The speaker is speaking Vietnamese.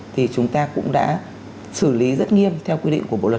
thì chúng ta cũng đã xử lý rất nghiêm theo quy định của bộ trẻ em